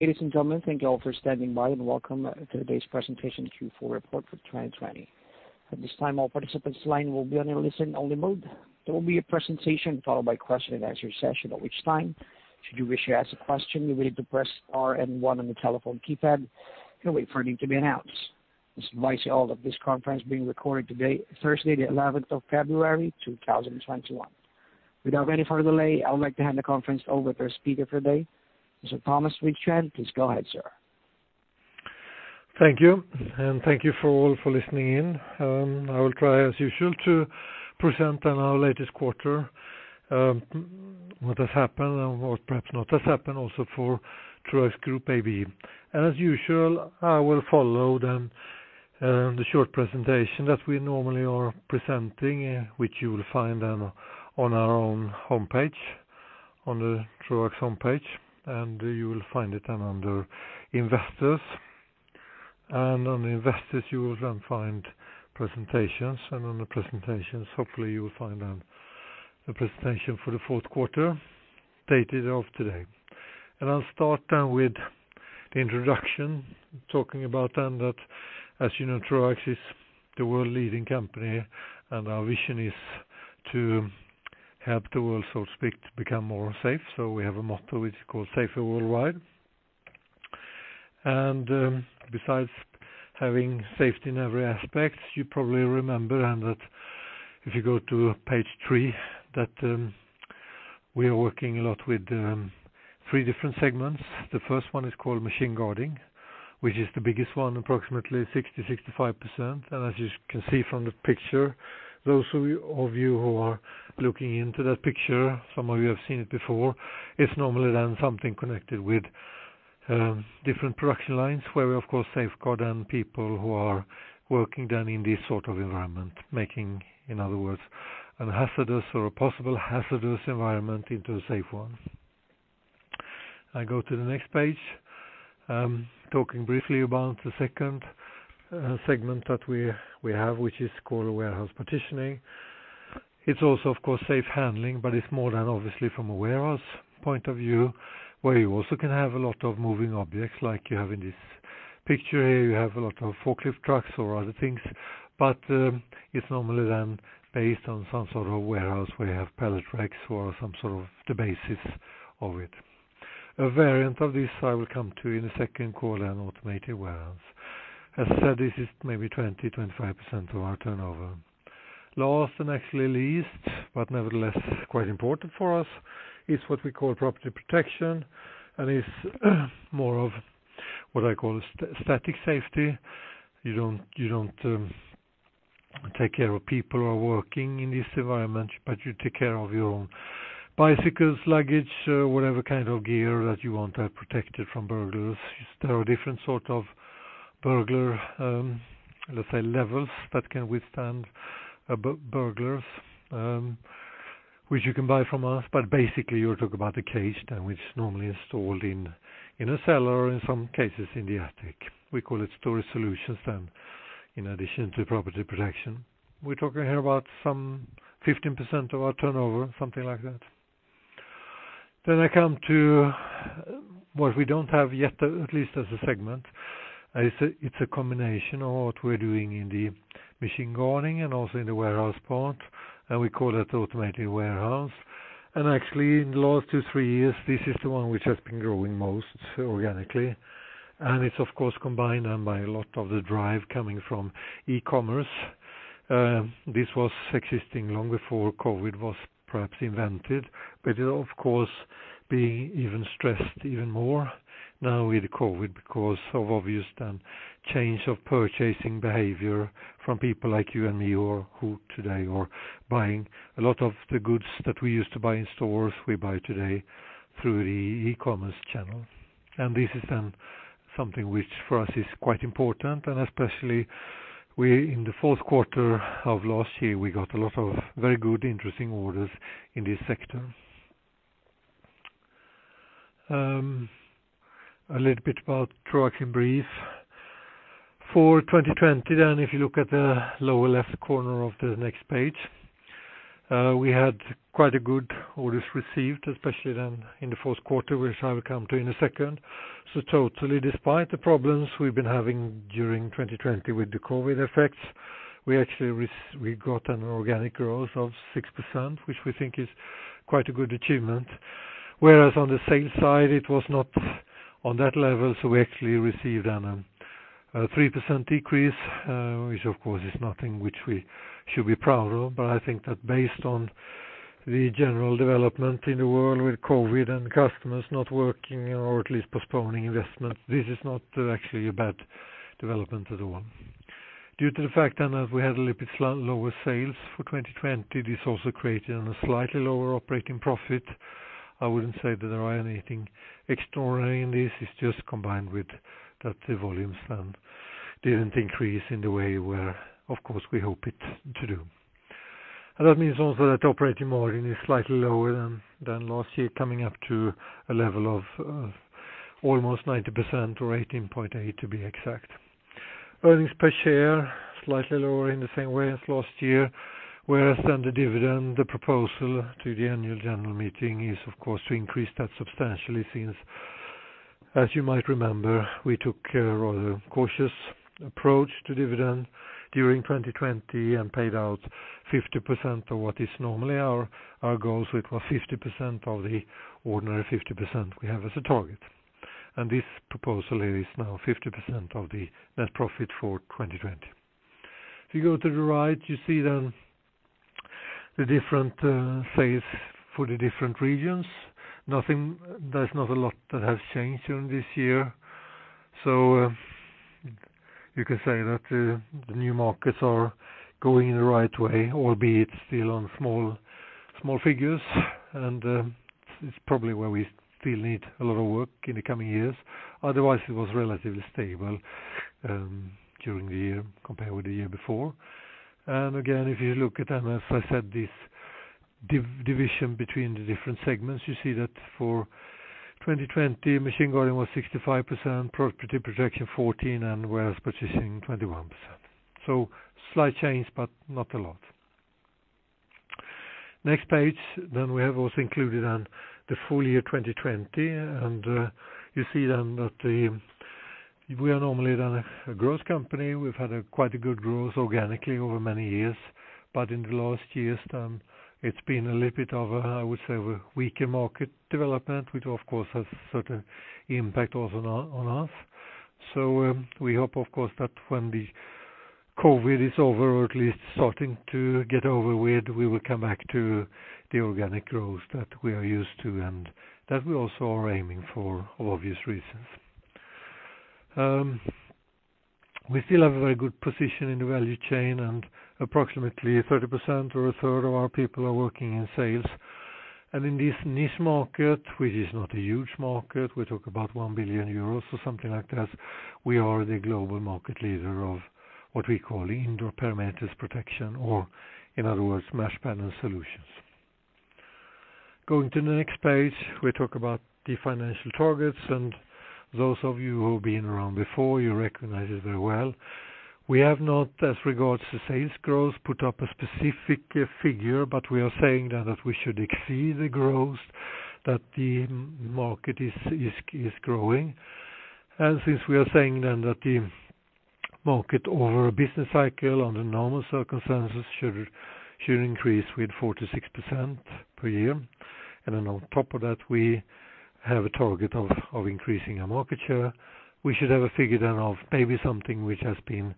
Ladies and gentlemen, thank you all for standing by, welcome to today's presentation, Q4 report for 2020. At this time, all participants line will be on a listen-only mode. There will be a presentation followed by question-and-answer session. At which time should you wish to ask a question, you will need to press R and one on the telephone keypad and wait for your name to be announced. Just to advise you all that this conference is being recorded today, Thursday, the 11th of February 2021. Without any further delay, I would like to hand the conference over to our speaker today, Mr. Thomas Widstrand. Please go ahead, sir. Thank you, thank you all for listening in. I will try as usual to present on our latest quarter, what has happened and what perhaps not has happened also for Troax Group AB. As usual, I will follow the short presentation that we normally are presenting, which you will find on our own homepage, on the Troax homepage. You will find it under Investors. On Investors, you will then find Presentations, and on the Presentations, hopefully, you will find the presentation for the fourth quarter dated of today. I'll start with the introduction, talking about that as you know, Troax is the world leading company, and our vision is to help the world, so to speak, to become more safe. We have a motto, which is called Safer Worldwide. Besides having safety in every aspect, you probably remember that if you go to page three, that we are working a lot with three different segments. The first one is called Machine Guarding, which is the biggest one, approximately 60%, 65%. As you can see from the picture, those of you who are looking into that picture, some of you have seen it before. It's normally then something connected with different production lines, where we of course safeguard people who are working down in this sort of environment, making, in other words, a hazardous or a possible hazardous environment into a safe one. I go to the next page, talking briefly about the second segment that we have, which is called Warehouse Partitioning. It's also, of course, safe handling, but it's more than obviously from a warehouse point of view, where you also can have a lot of moving objects like you have in this picture here. You have a lot of forklift trucks or other things, but it's normally then based on some sort of warehouse where you have pallet racks or some sort of the basis of it. A variant of this I will come to in a second called an automated warehouse. As said, this is maybe 20%, 25% of our turnover. Last and actually least, but nevertheless quite important for us is what we call property protection and is more of what I call static safety. You don't take care of people who are working in this environment, but you take care of your own bicycles, luggage, whatever kind of gear that you want protected from burglars. There are different sort of burglar, let's say, levels that can withstand burglars, which you can buy from us. Basically, you're talking about a cage then which is normally installed in a cellar or in some cases in the attic. We call it storage solutions then in addition to property protection. We're talking here about some 15% of our turnover, something like that. I come to what we don't have yet, at least as a segment. It's a combination of what we're doing in the machine guarding and also in the warehouse part, and we call it automated warehouse. Actually, in the last two, three years, this is the one which has been growing most organically. It's, of course, combined by a lot of the drive coming from e-commerce. This was existing long before COVID was perhaps invented, but it of course being even stressed even more now with COVID because of obvious change of purchasing behavior from people like you and me who today are buying a lot of the goods that we used to buy in stores, we buy today through the e-commerce channel. This is then something which for us is quite important, and especially in the fourth quarter of last year, we got a lot of very good, interesting orders in this sector. A little bit about Troax in brief. For 2020 then, if you look at the lower left corner of the next page, we had quite good orders received, especially then in the fourth quarter, which I will come to in a second. Totally despite the problems we've been having during 2020 with the COVID effects, we got an organic growth of 6%, which we think is quite a good achievement. Whereas on the sales side, it was not on that level, so we actually received a 3% decrease, which of course is nothing which we should be proud of. I think that based on the general development in the world with COVID and customers not working or at least postponing investments, this is not actually a bad development at all. Due to the fact then that we had a little bit lower sales for 2020, this also created a slightly lower operating profit. I wouldn't say that there are anything extraordinary in this. It's just combined with that the volumes then didn't increase in the way where, of course, we hope it to do. That means also that operating margin is slightly lower than last year, coming up to a level of almost 19% or 18.8% to be exact. Earnings per share slightly lower in the same way as last year, whereas then the dividend, the proposal to the annual general meeting is, of course, to increase that substantially since, as you might remember, we took a rather cautious approach to dividend during 2020 and paid out 50% of what is normally our goal. It was 50% of the ordinary 50% we have as a target. This proposal is now 50% of the net profit for 2020. If you go to the right, you see then the different sales for the different regions. There's not a lot that has changed during this year. You can say that the new markets are going in the right way, albeit still on small figures, and it's probably where we still need a lot of work in the coming years. Otherwise, it was relatively stable during the year compared with the year before. Again, if you look at them, as I said, this division between the different segments, you see that for 2020, machine guarding was 65%, property protection 14%, and warehouse partitioning 21%. Slight change, but not a lot. Next page, we have also included on the full year 2020, you see that we are normally a growth company. We've had quite good growth organically over many years. In the last years, it's been a little bit of a, I would say, weaker market development, which of course has certain impact also on us. We hope, of course, that when the COVID is over, or at least starting to get over with, we will come back to the organic growth that we are used to and that we also are aiming for obvious reasons. We still have a very good position in the value chain, and approximately 30% or a third of our people are working in sales. In this niche market, which is not a huge market, we talk about 1 billion euros or something like that. We are the global market leader of what we call indoor perimeter protection, or in other words, mesh panel solutions. Going to the next page, we talk about the financial targets, and those of you who've been around before, you recognize it very well. We have not, as regards to sales growth, put up a specific figure, but we are saying that we should exceed the growth that the market is growing. Since we are saying that the market over a business cycle under normal circumstances should increase with 4%-6% per year, on top of that, we have a target of increasing our market share. We should have a figure of maybe something which has been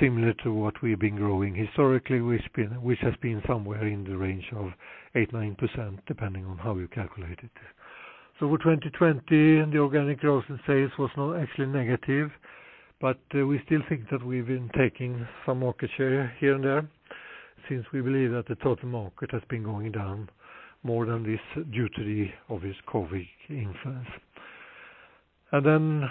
similar to what we've been growing historically, which has been somewhere in the range of 8%-9%, depending on how you calculate it. For 2020, the organic growth in sales was now actually negative, but we still think that we've been taking some market share here and there since we believe that the total market has been going down more than this due to the obvious COVID influence.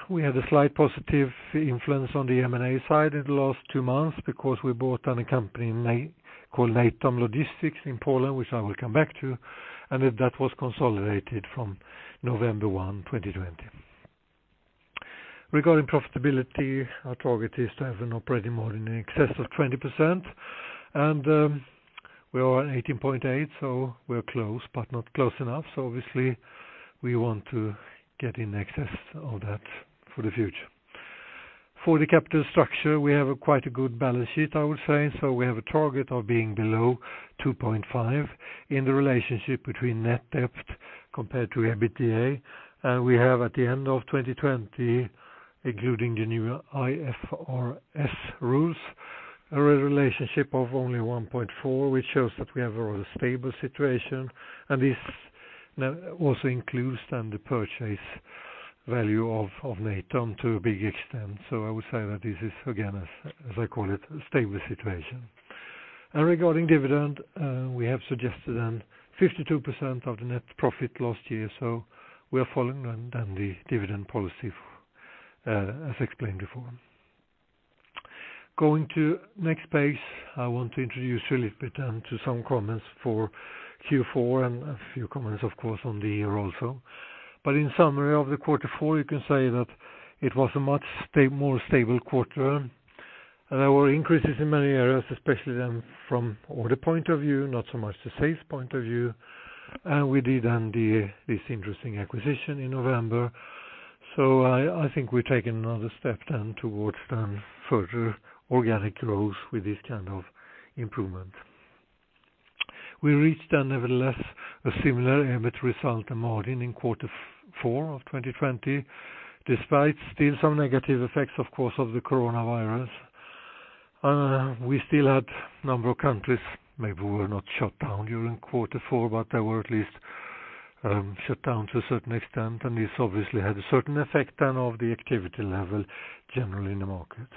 We had a slight positive influence on the M&A side in the last two months because we bought a company called Natom Logistic in Poland, which I will come back to, and that was consolidated from November one, 2020. Regarding profitability, our target is to have an operating margin in excess of 20%, and we are at 18.8%, so we are close, but not close enough. Obviously, we want to get in excess of that for the future. For the capital structure, we have quite a good balance sheet, I would say. We have a target of being below 2.5 in the relationship between net debt compared to EBITDA. We have at the end of 2020, including the new IFRS rules, a relationship of only 1.4, which shows that we have a rather stable situation, and this also includes then the purchase value of Natom to a big extent. I would say that this is, again, as I call it, a stable situation. Regarding dividend, we have suggested then 52% of the net profit last year, so we are following then the dividend policy as explained before. Going to next page, I want to introduce you a little bit then to some comments for Q4 and a few comments, of course, on the year also. In summary of the quarter four, you can say that it was a much more stable quarter. There were increases in many areas, especially then from order point of view, not so much the sales point of view. We did then this interesting acquisition in November. I think we've taken another step then towards then further organic growth with this kind of improvement. We reached then, nevertheless, a similar EBIT result and margin in quarter four of 2020, despite still some negative effects, of course, of the coronavirus. We still had a number of countries, maybe were not shut down during quarter four, but they were at least shut down to a certain extent, and this obviously had a certain effect then of the activity level generally in the market.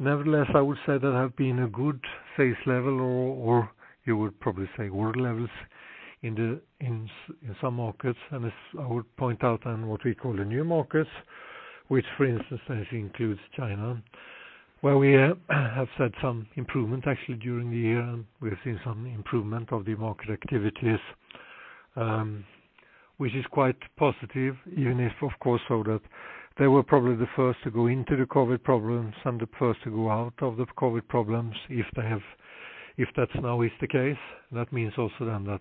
Nevertheless, I would say there have been a good sales level, or you would probably say order levels in some markets. I would point out on what we call the new markets, which, for instance, includes China, where we have had some improvement actually during the year, and we have seen some improvement of the market activities, which is quite positive, even if, of course, they were probably the first to go into the COVID problems and the first to go out of the COVID problems. If that now is the case, that means also then that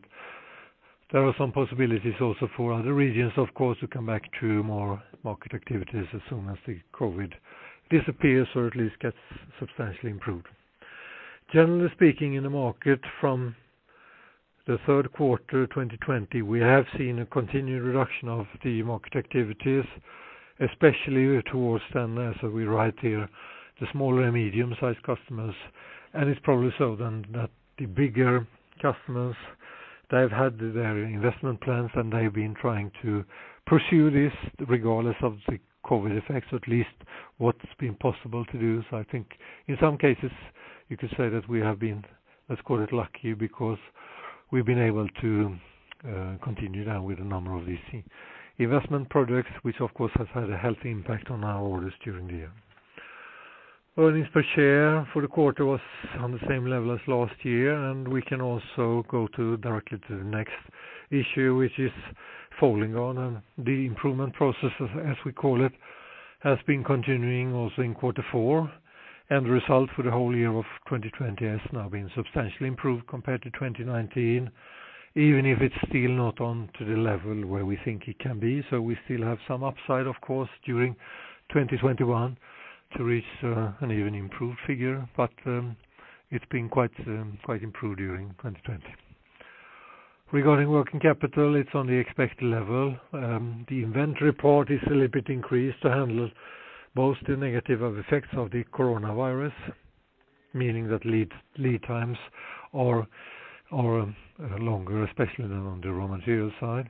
there are some possibilities also for other regions, of course, to come back to more market activities as soon as the COVID disappears or at least gets substantially improved. Generally speaking, in the market from the third quarter 2020, we have seen a continued reduction of the market activities, especially towards then, as we write here, the smaller and medium-sized customers. It's probably that the bigger customers, they've had their investment plans, and they've been trying to pursue this regardless of the COVID effects, at least what's been possible to do. I think in some cases, you could say that we have been, let's call it lucky because we've been able to continue then with a number of these investment projects, which of course, has had a healthy impact on our orders during the year. Earnings per share for the quarter was on the same level as last year. We can also go directly to the next issue. The improvement processes, as we call it, has been continuing also in quarter four. The result for the whole year of 2020 has now been substantially improved compared to 2019, even if it's still not on to the level where we think it can be. We still have some upside, of course, during 2021 to reach an even improved figure, but it's been quite improved during 2020. Regarding working capital, it's on the expected level. The inventory part is a little bit increased to handle both the negative effects of the coronavirus, meaning that lead times are longer, especially than on the raw material side.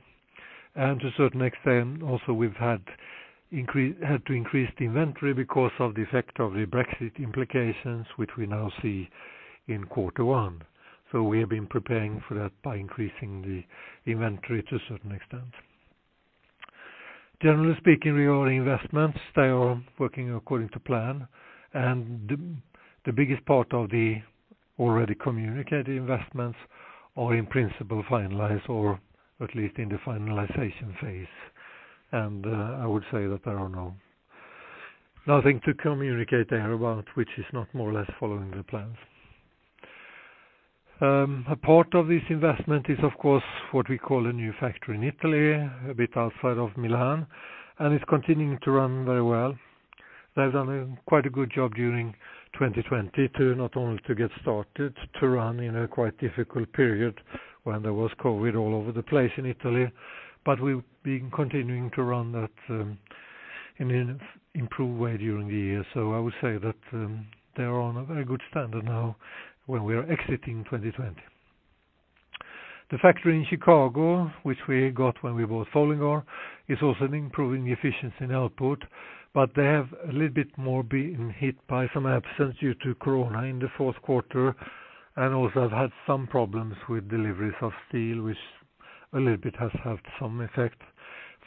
To a certain extent, also, we've had to increase the inventory because of the effect of the Brexit implications, which we now see in quarter one. We have been preparing for that by increasing the inventory to a certain extent. Generally speaking, regarding investments, they are working according to plan, and the biggest part of the already communicated investments are in principle finalized or at least in the finalization phase. I would say that there are nothing to communicate there about, which is not more or less following the plans. A part of this investment is, of course, what we call a new factory in Italy, a bit outside of Milan, and it's continuing to run very well. They've done quite a good job during 2020 to not only to get started to run in a quite difficult period when there was COVID all over the place in Italy, but we've been continuing to run that in an improved way during the year. I would say that they are on a very good standard now when we are exiting 2020. The factory in Chicago, which we got when we bought Folding Guard, is also improving the efficiency in output, but they have a little bit more been hit by some absence due to corona in the fourth quarter, and also have had some problems with deliveries of steel, which a little bit has had some effect.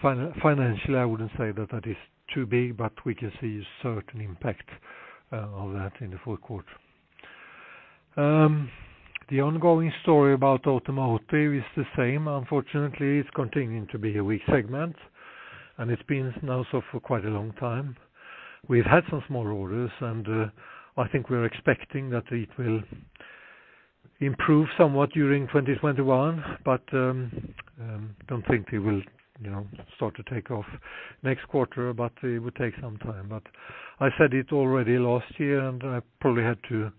Financially, I wouldn't say that that is too big, but we can see a certain impact of that in the fourth quarter. The ongoing story about automotive is the same. Unfortunately, it's continuing to be a weak segment, and it's been now so for quite a long time. We've had some small orders, and I think we're expecting that it will improve somewhat during 2021, but don't think it will start to take off next quarter, but it would take some time. I said it already last year, and I probably had to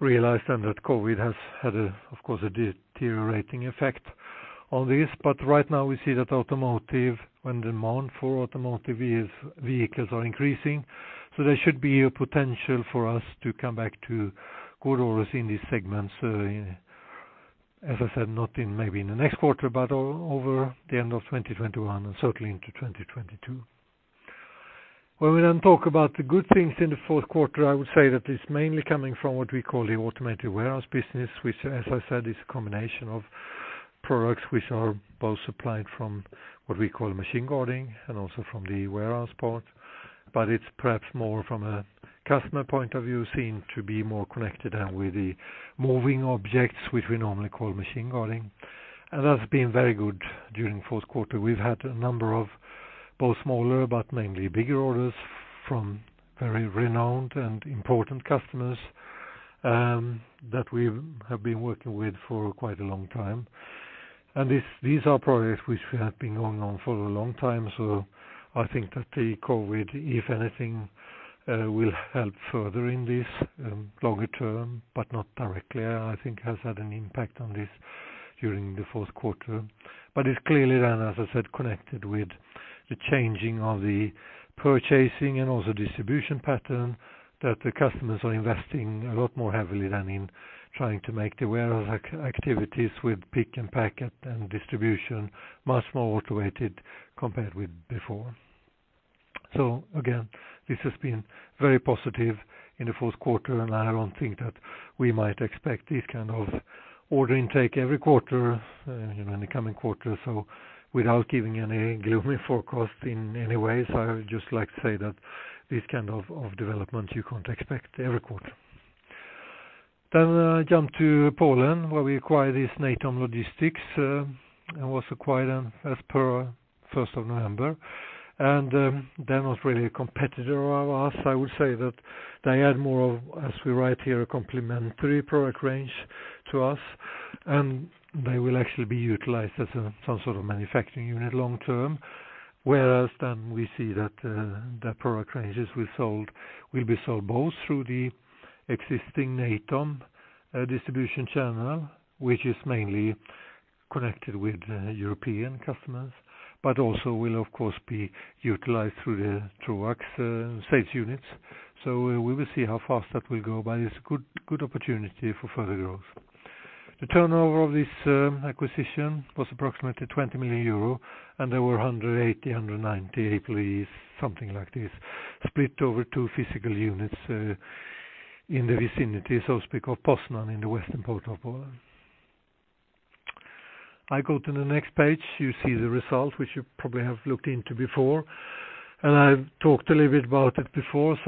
realize then that COVID has had, of course, a deteriorating effect on this. Right now we see that automotive and demand for automotive vehicles are increasing. There should be a potential for us to come back to good orders in these segments. As I said, not maybe in the next quarter, but over the end of 2021 and certainly into 2022. When we then talk about the good things in the fourth quarter, I would say that it is mainly coming from what we call the automated warehouse business, which, as I said, is a combination of products which are both supplied from what we call machine guarding and also from the warehouse part. It is perhaps more from a customer point of view, seen to be more connected than with the moving objects, which we normally call machine guarding. That has been very good during the fourth quarter. We have had a number of both smaller but mainly bigger orders from very renowned and important customers that we have been working with for quite a long time. These are projects which have been going on for a long time. I think that the COVID, if anything, will help further in this longer term, but not directly, I think, has had an impact on this during the fourth quarter. It's clearly then, as I said, connected with the changing of the purchasing and also distribution pattern that the customers are investing a lot more heavily than in trying to make the warehouse activities with pick and pack and distribution much more automated compared with before. Again, this has been very positive in the fourth quarter, and I don't think that we might expect this kind of order intake every quarter in the coming quarters. Without giving any gloomy forecast in any way, I would just like to say that this kind of development you can't expect every quarter. I jump to Poland where we acquired this Natom Logistic and was acquired as per 1st of November. They're not really a competitor of us. I would say that they had more of, as we write here, a complementary product range to us, and they will actually be utilized as some sort of manufacturing unit long term. We see that the product ranges we sold will be sold both through the existing Natom distribution channel, which is mainly connected with European customers, but also will, of course, be utilized through the Troax sales units. We will see how fast that will go, but it's a good opportunity for further growth. The turnover of this acquisition was approximately 20 million euro. There were 180, 190 employees, something like this, split over two physical units in the vicinity, so to speak, of Poznań in the western part of Poland. I go to the next page. You see the results which you probably have looked into before, and I've talked a little bit about it before.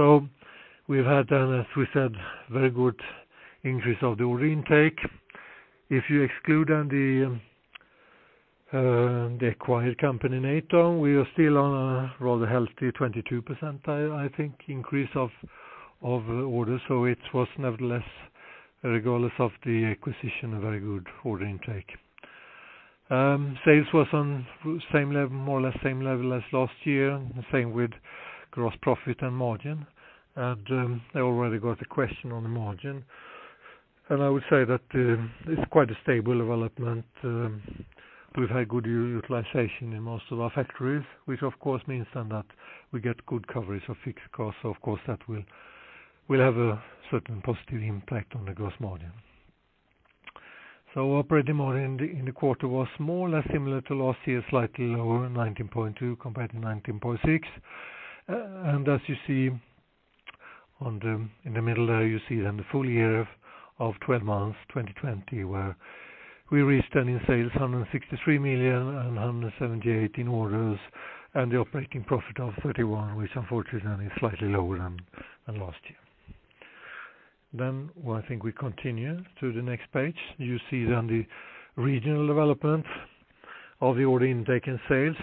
We've had then, as we said, very good increase of the order intake. If you exclude then the acquired company, Natom, we are still on a rather healthy 22%, I think, increase of orders. It was nevertheless, regardless of the acquisition, a very good order intake. Sales was on more or less same level as last year, the same with gross profit and margin. I already got a question on the margin, and I would say that it's quite a stable development. We've had good utilization in most of our factories, which of course means that we get good coverage of fixed costs. Of course, that will have a certain positive impact on the gross margin. Operating margin in the quarter was more or less similar to last year, slightly lower, 19.2% compared to 19.6%. As you see in the middle there, you see then the full year of 12 months, 2020, where we reached then in sales 163 million and 178 million in orders and the operating profit of 31 million, which unfortunately is slightly lower than last year. I think we continue to the next page. You see then the regional development of the order intake and sales.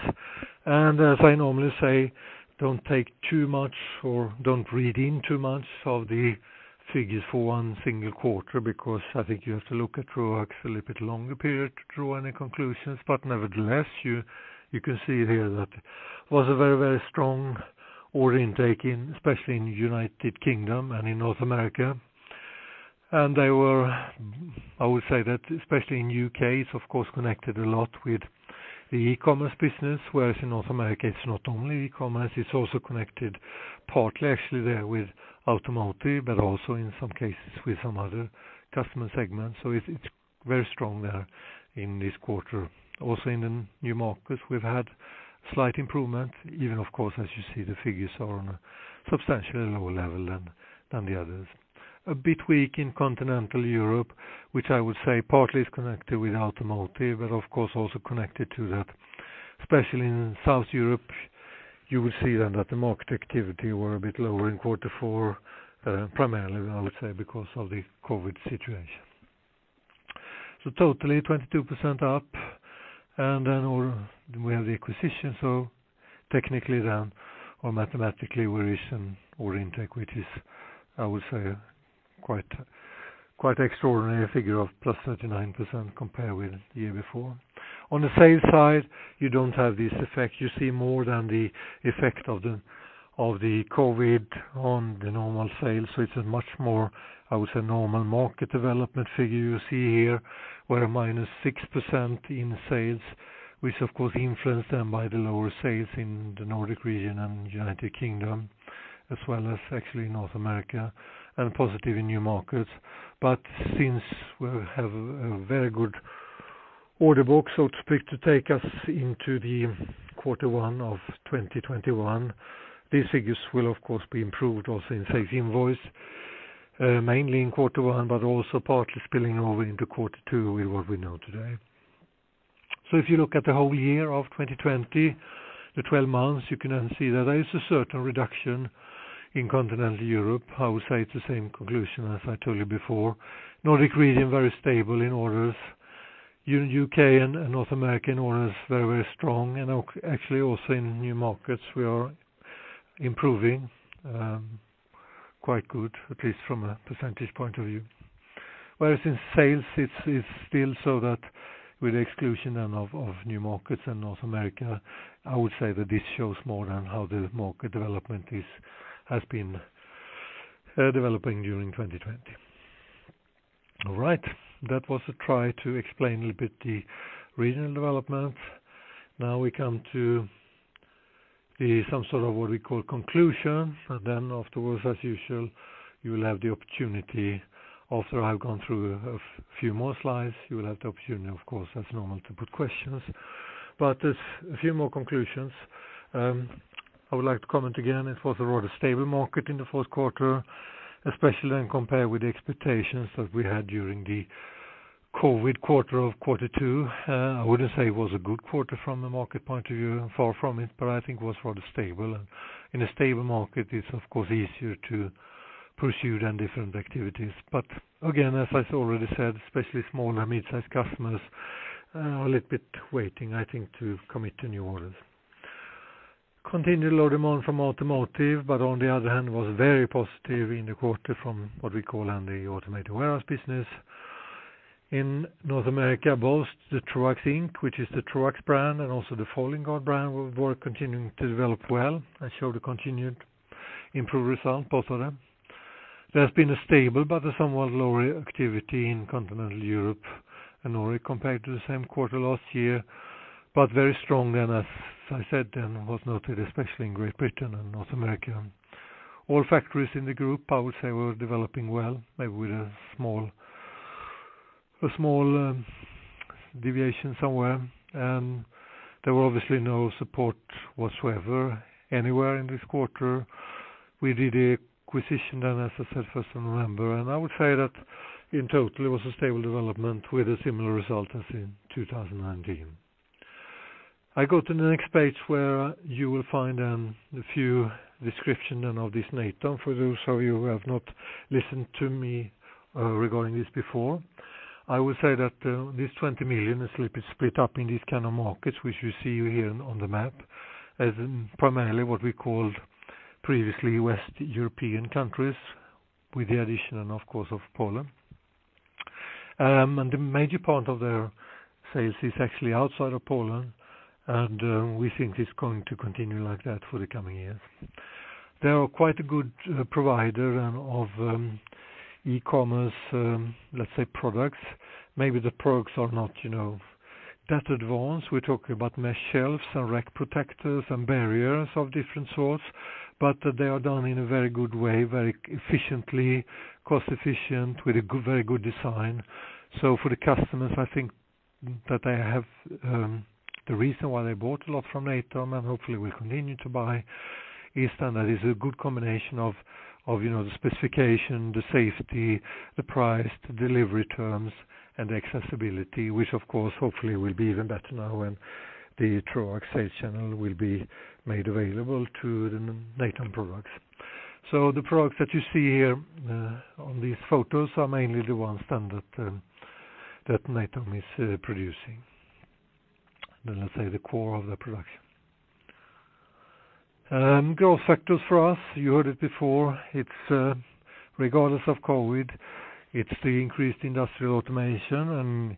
As I normally say, don't take too much or don't read in too much of the figures for one single quarter, because I think you have to look at Troax a little bit longer period to draw any conclusions. Nevertheless, you can see here that was a very strong order intake, especially in United Kingdom and in North America. I would say that especially in U.K., it's of course connected a lot with the e-commerce business, whereas in North America it's not only e-commerce, it's also connected partly actually there with automotive, but also in some cases with some other customer segments. It's very strong there in this quarter. Also in the new markets, we've had slight improvement even, of course, as you see, the figures are on a substantially lower level than the others. A bit weak in Continental Europe, which I would say partly is connected with automotive, but of course also connected to that, especially in South Europe, you will see then that the market activity were a bit lower in quarter four, primarily, I would say, because of the COVID situation. Totally 22% up and then we have the acquisition. Technically then or mathematically, we reach an order intake, which is, I would say, quite extraordinary figure of +39% compared with the year before. On the sales side, you don't have this effect. You see more than the effect of the COVID on the normal sales. It's a much more, I would say, normal market development figure you see here where a -6% in sales, which of course influenced then by the lower sales in the Nordic region and U.K., as well as actually in North America and positive in new markets. Since we have a very good order book, so to speak, to take us into the quarter one of 2021, these figures will of course be improved also in sales invoice, mainly in quarter one, but also partly spilling over into quarter two with what we know today. If you look at the whole year of 2020, the 12 months, you can then see that there is a certain reduction in Continental Europe. I would say it's the same conclusion as I told you before. Nordic region, very stable in orders. U.K. and North American orders, very strong and actually also in new markets we are improving quite good, at least from a percentage point of view. Whereas in sales it's still so that with exclusion then of new markets and North America, I would say that this shows more than how the market development has been developing during 2020. All right. That was a try to explain a little bit the regional development. We come to some sort of what we call conclusion. Afterwards, as usual, after I've gone through a few more slides, you will have the opportunity, of course, as normal, to put questions, but there's a few more conclusions. I would like to comment again, it was a rather stable market in the fourth quarter, especially when compared with the expectations that we had during the COVID quarter of quarter two. I wouldn't say it was a good quarter from a market point of view, far from it, but I think it was rather stable. In a stable market, it's of course easier to pursue different activities. Again, as I already said, especially small and midsize customers are a little bit waiting, I think, to commit to new orders. Continued low demand from automotive, On the other hand, was very positive in the quarter from what we call the automated warehouse business. In North America, both the Troax Inc., which is the Troax brand, and also the Folding Guard brand were continuing to develop well, and showed a continued improved result, both of them. There's been a stable, but a somewhat lower activity in Continental Europe and Norway compared to the same quarter last year, but very strong, as I said, and was noted, especially in Great Britain and North America. All factories in the group, I would say, were developing well, maybe with a small deviation somewhere, and there were obviously no support whatsoever anywhere in this quarter. We did the acquisition, as I said, 1st of November, and I would say that in total, it was a stable development with a similar result as in 2019. I go to the next page, where you will find a few description of this Natom for those of you who have not listened to me regarding this before. I would say that this 20 million is split up in these kind of markets, which you see here on the map, as primarily what we called previously Western European countries, with the addition, of course, of Poland. A major part of their sales is actually outside of Poland, and we think it's going to continue like that for the coming years. They are quite a good provider of e-commerce, let's say, products. Maybe the products are not that advanced. We're talking about mesh shelves and rack protectors and barriers of different sorts, they are done in a very good way, very efficiently, cost-efficient, with a very good design. For the customers, I think that they have the reason why they bought a lot from Natom, and hopefully will continue to buy, is that it's a good combination of the specification, the safety, the price, the delivery terms, and the accessibility, which of course, hopefully, will be even better now when the Troax sales channel will be made available to the Natom products. The products that you see here on these photos are mainly the ones that Natom is producing. Let's say the core of their production. Growth factors for us, you heard it before, regardless of COVID, it's the increased industrial automation, and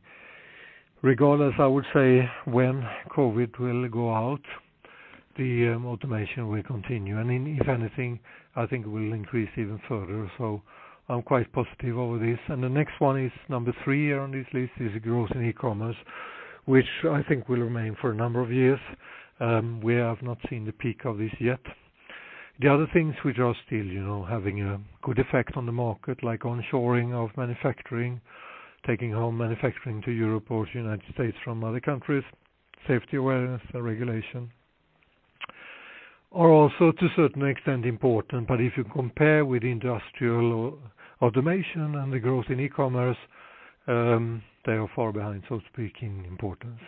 regardless, I would say, when COVID will go out, the automation will continue. If anything, I think it will increase even further. I'm quite positive over this. The next one is number three on this list, is growth in e-commerce, which I think will remain for a number of years. We have not seen the peak of this yet. The other things which are still having a good effect on the market, like onshoring of manufacturing, taking home manufacturing to Europe or United States from other countries, safety awareness and regulation, are also to a certain extent important. If you compare with industrial automation and the growth in e-commerce, they are far behind, so to speak, in importance.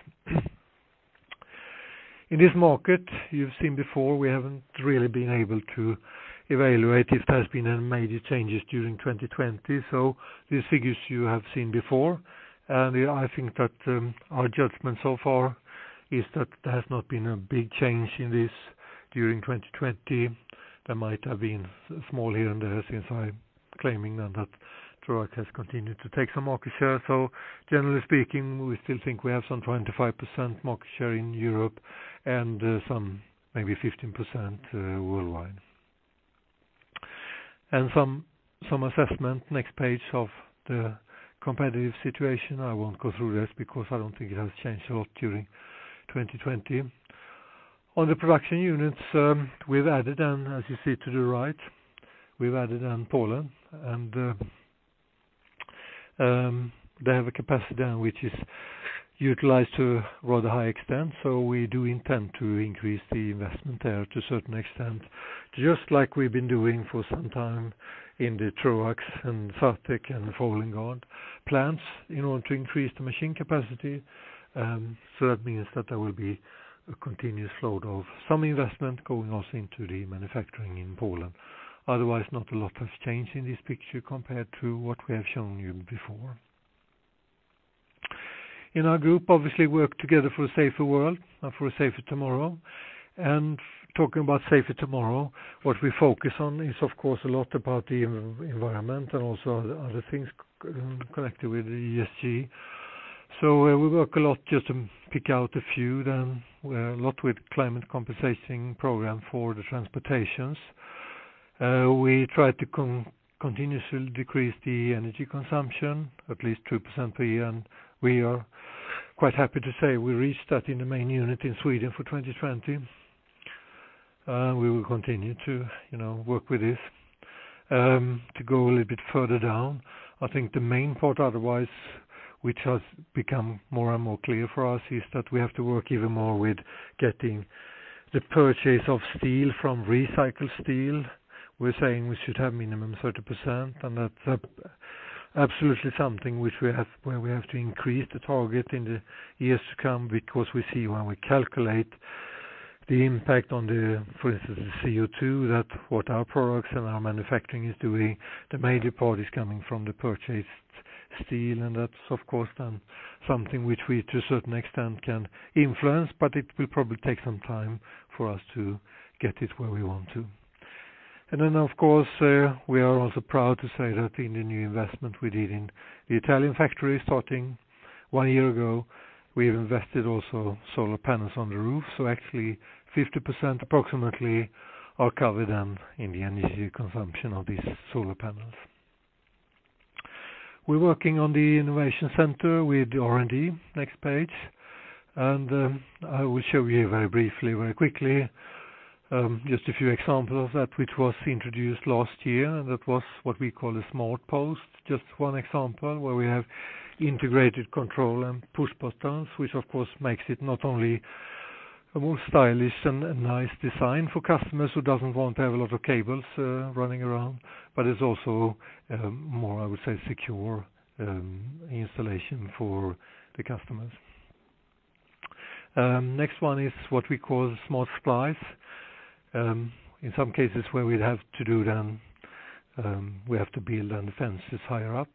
In this market, you've seen before, we haven't really been able to evaluate if there's been any major changes during 2020. These figures you have seen before, and I think that our judgment so far is that there has not been a big change in this during 2020. There might have been small here and there since I'm claiming that Troax has continued to take some market share. Generally speaking, we still think we have some 25% market share in Europe and some maybe 15% worldwide. An assessment, next page, of the competitive situation. I won't go through this because I don't think it has changed a lot during 2020. On the production units, we've added, as you see to the right, we've added in Poland, and they have a capacity which is utilized to a rather high extent. We do intend to increase the investment there to a certain extent, just like we've been doing for some time in the Troax and Natom and Folding Guard plants in order to increase the machine capacity. That means that there will be a continuous flow of some investment going also into the manufacturing in Poland. Otherwise, not a lot has changed in this picture compared to what we have shown you before. In our group, obviously, work together for a safer world and for a safer tomorrow. Talking about safer tomorrow, what we focus on is, of course, a lot about the environment and also other things connected with ESG. We work a lot, just to pick out a few, a lot with climate compensation program for the transportations. We try to continuously decrease the energy consumption, at least 2% per year, and we are quite happy to say we reached that in the main unit in Sweden for 2020. We will continue to work with this. To go a little bit further down, I think the main part, otherwise, which has become more and more clear for us is that we have to work even more with the purchase of steel from recycled steel. We're saying we should have minimum 30%. That's absolutely something where we have to increase the target in the years to come, because we see when we calculate the impact on the, for instance, the CO2, that what our products and our manufacturing is doing, the major part is coming from the purchased steel. That's, of course, then something which we, to a certain extent, can influence. It will probably take some time for us to get it where we want to. Of course, we are also proud to say that in the new investment we did in the Italian factory starting one year ago, we've invested also solar panels on the roof. Actually 50% approximately are covered in the energy consumption of these solar panels. We're working on the innovation center with R&D, next page, and I will show you very briefly, very quickly, just a few examples of that which was introduced last year, and that was what we call a Smart Post. Just one example where we have integrated control and push buttons, which of course, makes it not only a more stylish and nice design for customers who doesn't want to have a lot of cables running around, but it's also more, I would say, secure installation for the customers. Next one is what we call a Smart Splice. In some cases where we have to build, and the fence is higher up,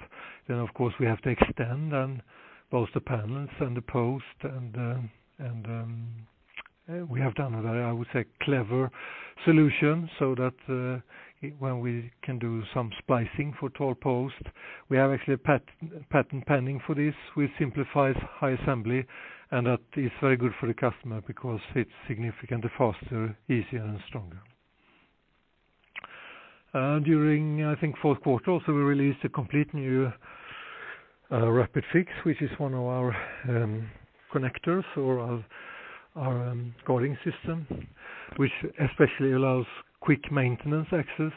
then, of course, we have to extend both the panels and the post, and we have done that, I would say, clever solution so that when we can do some splicing for tall post. We have actually a patent pending for this, which simplifies high assembly, and that is very good for the customer because it's significantly faster, easier, and stronger. During, I think, fourth quarter also, we released a complete new Rapid Fix, which is one of our connectors for our guarding system, which especially allows quick maintenance access.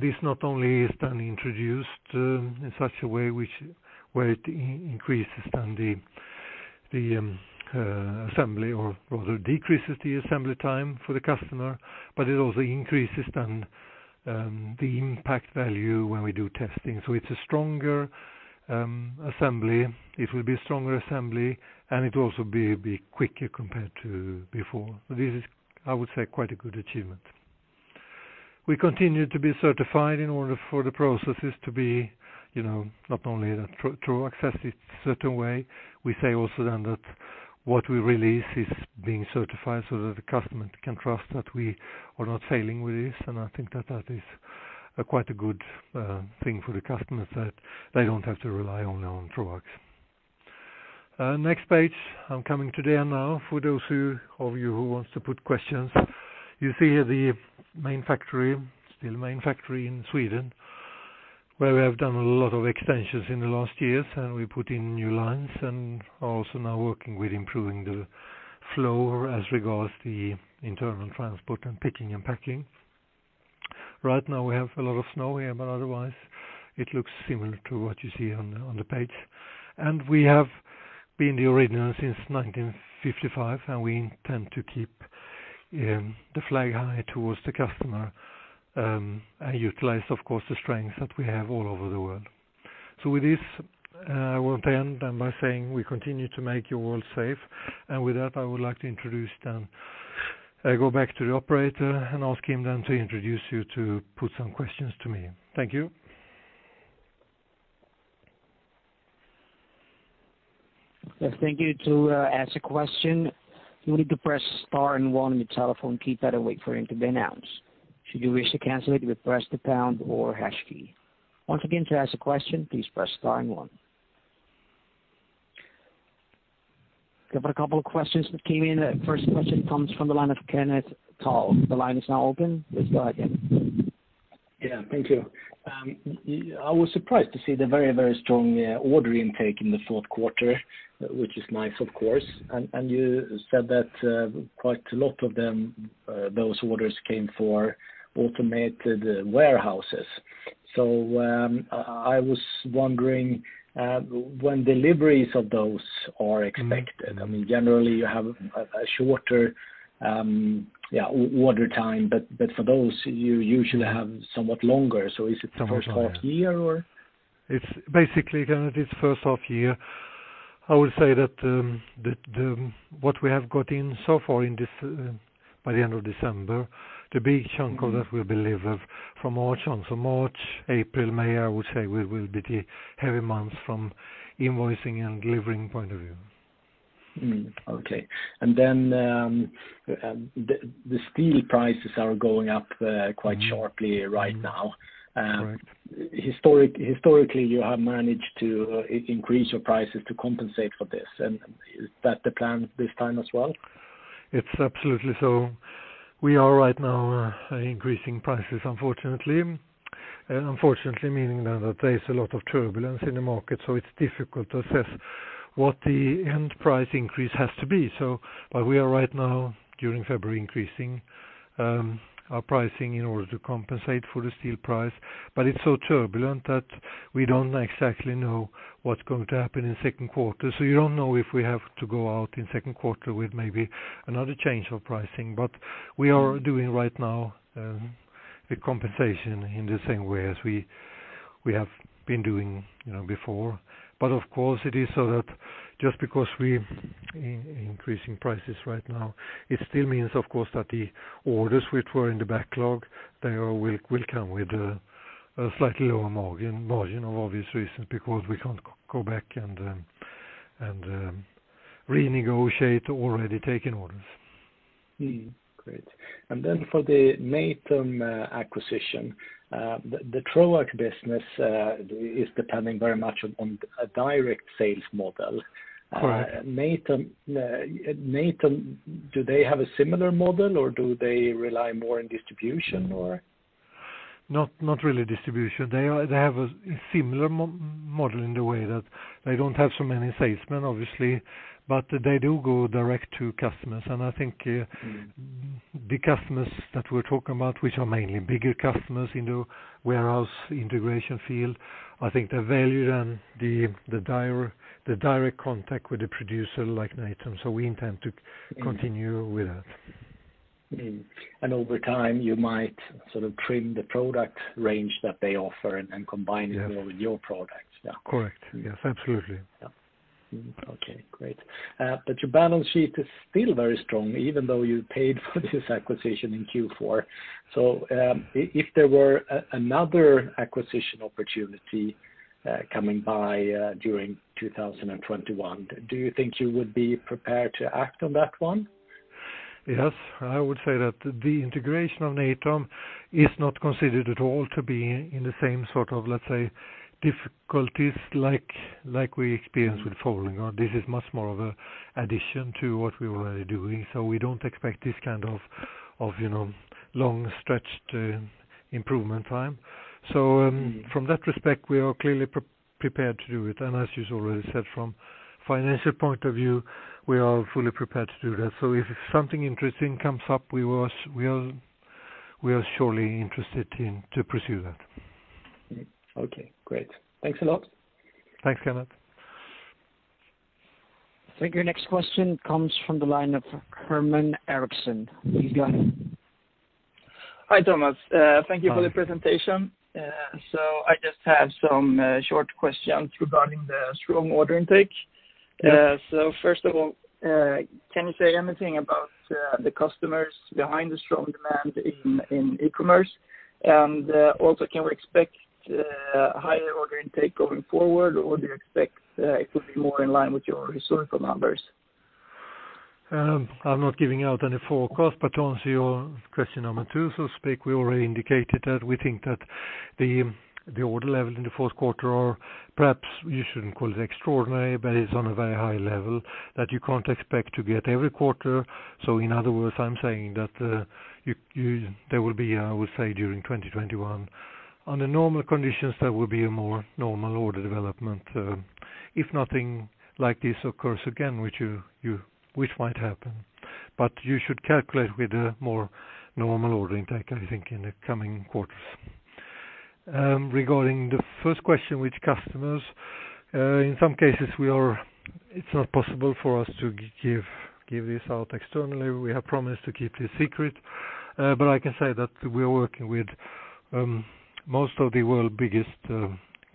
This not only is then introduced in such a way where it increases then the assembly, or rather decreases the assembly time for the customer, but it also increases then the impact value when we do testing. It's a stronger assembly. It will be a stronger assembly, and it will also be quicker compared to before. This is, I would say, quite a good achievement. We continue to be certified in order for the processes to be not only that Troax has it a certain way. We say also then that what we release is being certified so that the customer can trust that we are not failing with this, and I think that is a quite a good thing for the customers, that they don't have to rely only on Troax. Next page. I'm coming to the end now. For those of you who want to put questions, you see the main factory, still main factory in Sweden, where we have done a lot of extensions in the last years, and we put in new lines, and are also now working with improving the flow as regards the internal transport and picking and packing. Right now, we have a lot of snow here, but otherwise, it looks similar to what you see on the page. We have been the original since 1955, and we intend to keep the flag high towards the customer, and utilize, of course, the strengths that we have all over the world. With this, I want to end by saying, we continue to make your world safe. With that, I would like to introduce then, I go back to the operator and ask him then to introduce you to put some questions to me. Thank you. Yes. Thank you. To ask a question, you need to press star and one on your telephone keypad and wait for it to be announced. Should you wish to cancel it, you would press the pound or hash key. Once again, to ask a question, please press star and one. Got a couple of questions that came in. First question comes from the line of Kenneth Toll. The line is now open. Yes, go ahead. Yeah, thank you. I was surprised to see the very strong order intake in the fourth quarter, which is nice of course. You said that quite a lot of those orders came for automated warehouses. I was wondering when deliveries of those are expected. I mean, generally, you have a shorter order time, but for those, you usually have somewhat longer, is it the first half year or? It's basically, Kenneth, it's first half year. I would say that what we have got in so far by the end of December, the big chunk of that will be delivered from March on. March, April, May, I would say, will be the heavy months from invoicing and delivering point of view. Okay. The steel prices are going up quite sharply right now. Right. Historically, you have managed to increase your prices to compensate for this. Is that the plan this time as well? It's absolutely so. We are right now increasing prices, unfortunately. Unfortunately, meaning that there is a lot of turbulence in the market, so it's difficult to assess what the end price increase has to be. We are right now, during February, increasing our pricing in order to compensate for the steel price. It's so turbulent that we don't exactly know what's going to happen in the second quarter. You don't know if we have to go out in the second quarter with maybe another change of pricing. We are doing right now the compensation in the same way as we have been doing before. Of course, it is so that just because we are increasing prices right now, it still means, of course, that the orders which were in the backlog, they will come with a slightly lower margin of obvious reasons, because we can't go back and renegotiate already taken orders. Great. For the Natom acquisition, the Troax business is depending very much upon a direct sales model. Correct. Natom, do they have a similar model or do they rely more on distribution or? Not really distribution. They have a similar model in the way that they don't have so many salesmen, obviously, but they do go direct to customers. I think the customers that we're talking about, which are mainly bigger customers in the warehouse integration field, I think they value then the direct contact with the producer like Natom. We intend to continue with that. Over time you might sort of trim the product range that they offer and combine it more with your products. Yeah. Correct. Yes, absolutely. Yeah. Okay, great. Your balance sheet is still very strong even though you paid for this acquisition in Q4. If there were another acquisition opportunity coming by during 2021, do you think you would be prepared to act on that one? Yes, I would say that the integration of Natom is not considered at all to be in the same sort of, let's say, difficulties like we experienced with Folding Guard. This is much more of an addition to what we were already doing. We don't expect this kind of long stretched improvement time. From that respect, we are clearly prepared to do it. As you already said, from a financial point of view, we are fully prepared to do that. If something interesting comes up, we are surely interested to pursue that. Okay, great. Thanks a lot. Thanks, Kenneth. I think your next question comes from the line of Herman Eriksson. Please go ahead. Hi, Thomas. Hi. Thank you for the presentation. I just have some short questions regarding the strong order intake. First of all, can you say anything about the customers behind the strong demand in e-commerce? Also, can we expect higher order intake going forward, or do you expect it will be more in line with your historical numbers? I'm not giving out any forecast, to answer your question number two, so to speak, we already indicated that we think that the order level in the fourth quarter or perhaps you shouldn't call it extraordinary, but it's on a very high level that you can't expect to get every quarter. In other words, I'm saying that there will be, I would say, during 2021, under normal conditions, there will be a more normal order development. If nothing like this occurs again, which might happen. You should calculate with a more normal order intake, I think, in the coming quarters. Regarding the first question with customers, in some cases it's not possible for us to give this out externally. We have promised to keep this secret. I can say that we are working with most of the world's biggest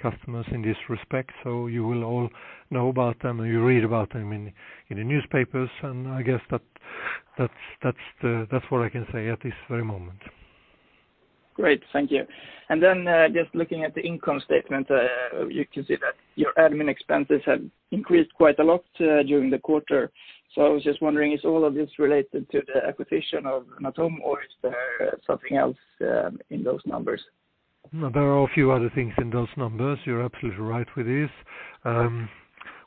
customers in this respect. You will all know about them. You read about them in the newspapers. I guess that's what I can say at this very moment. Great. Thank you. Just looking at the income statement, you can see that your admin expenses have increased quite a lot during the quarter. I was just wondering, is all of this related to the acquisition of Natom, or is there something else in those numbers? There are a few other things in those numbers. You're absolutely right with this.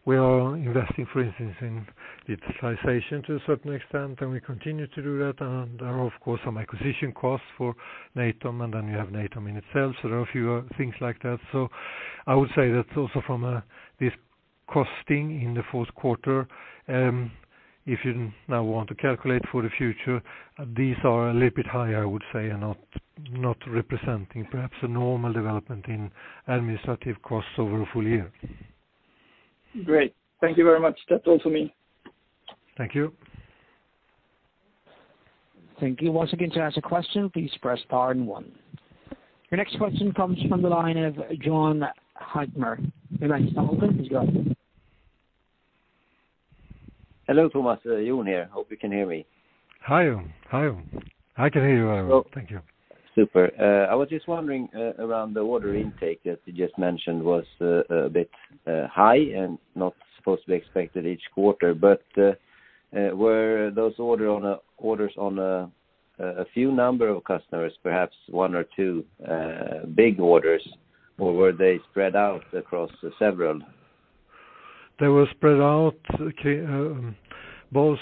We are investing, for instance, in digitalization to a certain extent, and we continue to do that, and there are, of course, some acquisition costs for Natom, and then you have Natom in itself. There are a few things like that. I would say that also from this costing in the fourth quarter, if you now want to calculate for the future, these are a little bit higher, I would say, and not representing perhaps a normal development in administrative costs over a full year. Great. Thank you very much. That's all for me. Thank you. Thank you. Your next question comes from the line of John Heitmar. Please go ahead. Hello, Thomas. John here. Hope you can hear me. Hi, John. I can hear you well. Thank you. Super. I was just wondering around the order intake that you just mentioned was a bit high and not supposed to be expected each quarter, but were those orders on a few number of customers, perhaps one or two big orders, or were they spread out across several? They were spread out both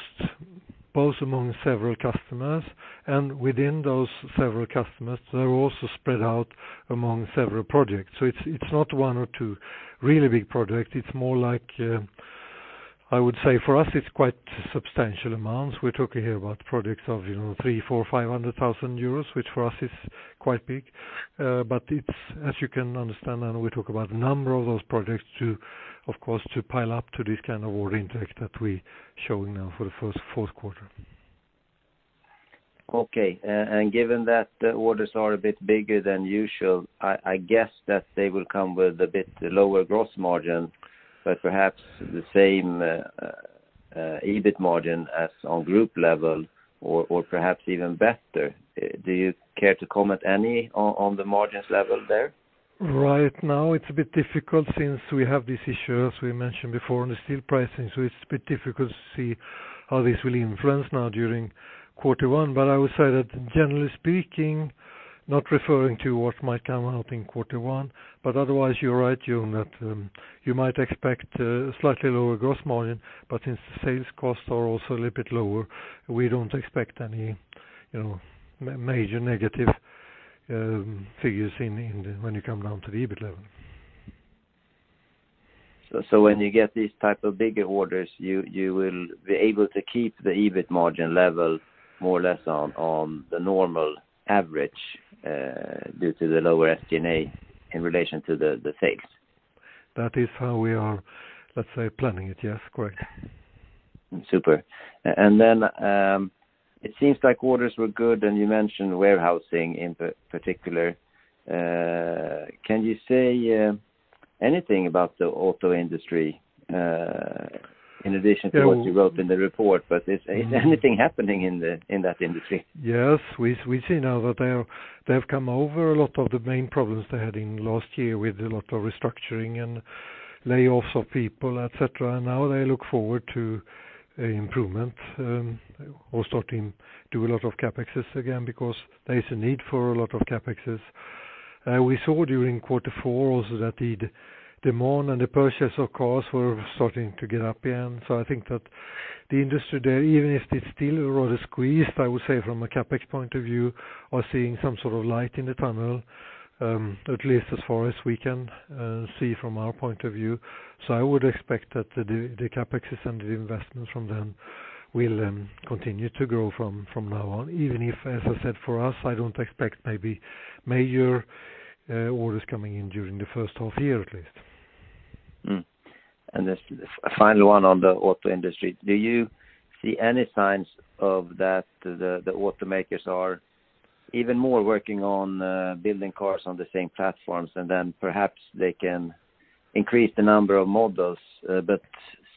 among several customers and within those several customers, they were also spread out among several projects. It's not one or two really big projects. It's more like I would say for us it's quite substantial amounts. We're talking here about projects of three, four, 500,000 euros, which for us is quite big. As you can understand, we talk about a number of those projects, of course, to pile up to this kind of order intake that we're showing now for the fourth quarter. Okay. Given that the orders are a bit bigger than usual, I guess that they will come with a bit lower gross margin, but perhaps the same EBIT margin as on group level or perhaps even better. Do you care to comment any on the margins level there? Right now it's a bit difficult since we have this issue, as we mentioned before, on the steel pricing. It's a bit difficult to see how this will influence now during Q1. I would say that generally speaking, not referring to what might come out in Q1, but otherwise, you're right, John, that you might expect a slightly lower gross margin. Since the sales costs are also a little bit lower, we don't expect any major negative figures when you come down to the EBIT level. When you get these type of bigger orders, you will be able to keep the EBIT margin level more or less on the normal average, due to the lower SG&A in relation to the sales. That is how we are, let's say, planning it. Yes, correct. Super. It seems like orders were good, and you mentioned warehousing in particular. Can you say anything about the auto industry, in addition to what you wrote in the report, but is anything happening in that industry? Yes. We see now that they've come over a lot of the main problems they had in last year with a lot of restructuring and layoffs of people, et cetera. Now they look forward to improvement, or starting to do a lot of CapExes again, because there's a need for a lot of CapExes. We saw during Q4 also that the demand and the purchase of cars were starting to get up again. I think that the industry there, even if it's still rather squeezed, I would say from a CapEx point of view, are seeing some sort of light in the tunnel, at least as far as we can see from our point of view. I would expect that the CapExes and the investments from them will continue to grow from now on, even if, as I said, for us, I don't expect maybe major orders coming in during the first half year, at least. A final one on the auto industry. Do you see any signs of that the automakers are even more working on building cars on the same platforms, and then perhaps they can increase the number of models, but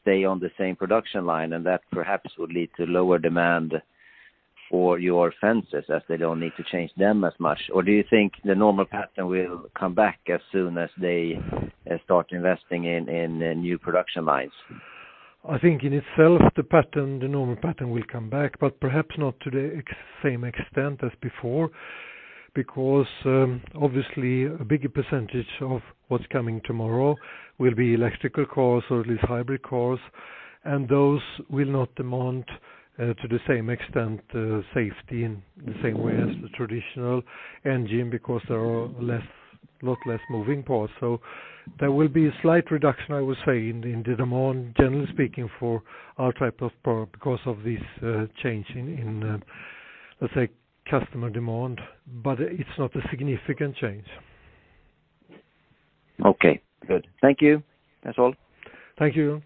stay on the same production line, and that perhaps would lead to lower demand for your fences as they don't need to change them as much? Do you think the normal pattern will come back as soon as they start investing in new production lines? I think in itself, the normal pattern will come back, but perhaps not to the same extent as before, because obviously a bigger percentage of what's coming tomorrow will be electrical cars or at least hybrid cars, and those will not demand, to the same extent, safety in the same way as the traditional engine, because there are a lot less moving parts. There will be a slight reduction, I would say, in the demand, generally speaking, for our type of product because of this change in, let's say, customer demand, but it's not a significant change. Okay, good. Thank you. That's all. Thank you.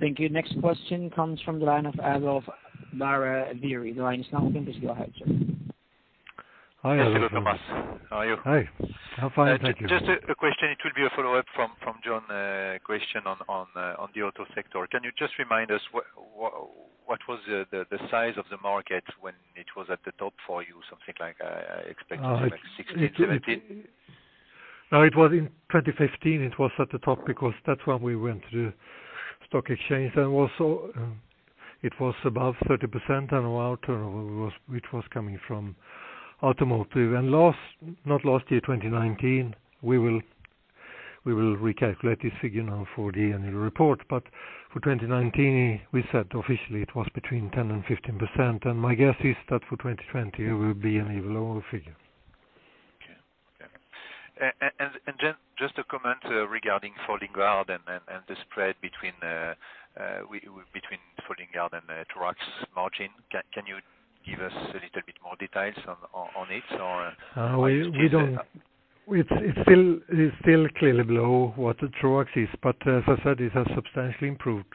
Thank you. Next question comes from the line of Adolf Baraveri. The line is now open. Please go ahead, sir. Hi, Adolf. Hello, Thomas. How are you? Hi. I'm fine. Thank you. Just a question. It will be a follow-up from John's question on the auto sector. Can you just remind us what was the size of the market when it was at the top for you? Something like, I expect it's like 16%, 17%. It was in 2015, it was at the top because that's when we went to the stock exchange. It was above 30% annual turnover, which was coming from automotive. Last, not last year, 2019, we will recalculate this figure now for the annual report, for 2019, we said officially it was between 10% and 15%, my guess is that for 2020, it will be an even lower figure. Okay. Then just a comment regarding Folding Guard and the spread between Folding Guard and Troax margin. Can you give us a little bit more details on it? It's still clearly below what Troax is, but as I said, it has substantially improved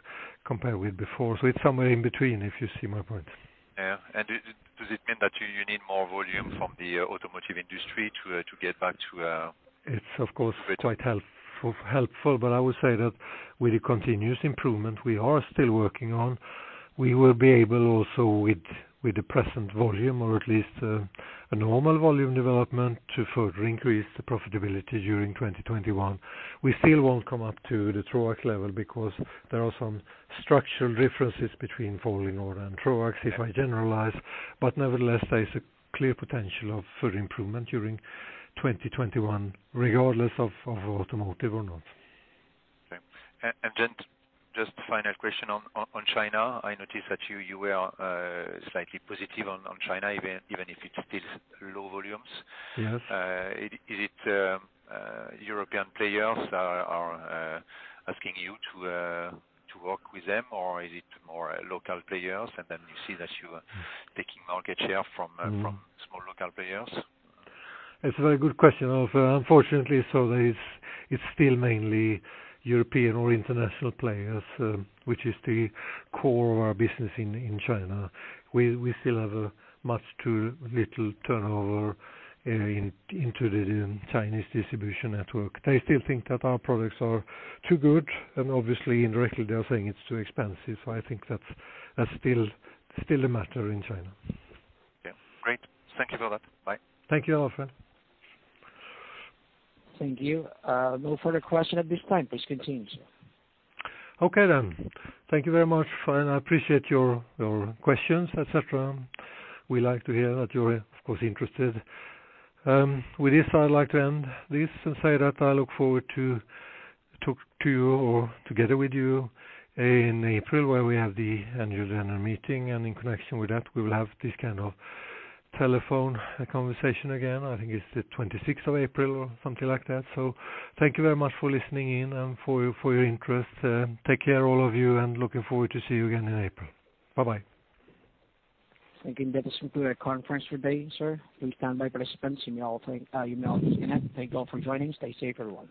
compared with before. It's somewhere in between, if you see my point. Yeah. Does it mean that you need more volume from the automotive industry to get back to- It's of course quite helpful, but I would say that with the continuous improvement we are still working on, we will be able also with the present volume or at least a normal volume development to further increase the profitability during 2021. We still won't come up to the Troax level because there are some structural differences between Folding Guard and Troax, if I generalize. Nevertheless, there is a clear potential of further improvement during 2021, regardless of automotive or not. Okay. Just a final question on China. I noticed that you were slightly positive on China, even if it's still low volumes. Yes. Is it European players are asking you to work with them, or is it more local players, and then you see that you are taking market share from small local players? It's a very good question. Unfortunately, so it's still mainly European or international players, which is the core of our business in China. We still have a much too little turnover into the Chinese distribution network. They still think that our products are too good, and obviously indirectly they're saying it's too expensive. I think that's still a matter in China. Yeah. Great. Thank you for that. Bye. Thank you, Adolf. Thank you. No further question at this time. Please continue, sir. Okay. Thank you very much. I appreciate your questions, et cetera. We like to hear that you're of course interested. With this, I'd like to end this and say that I look forward to talk to you or together with you in April, where we have the annual general meeting, and in connection with that, we will have this kind of telephone conversation again. I think it's the 26th of April or something like that. Thank you very much for listening in and for your interest. Take care all of you. Looking forward to see you again in April. Bye-bye. Thank you. That is the end of the conference for today, sir. Please stand by, participants, you may all disconnect. Thank you all for joining. Stay safe, everyone.